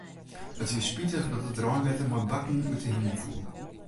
It wie spitich dat it reinwetter mei bakken út 'e himel foel.